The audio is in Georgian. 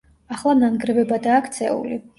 ახლა ნანგრევებადაა ქცეული.